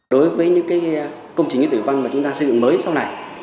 đối với những công trình khí tượng thủy văn mà chúng ta xây dựng mới sau này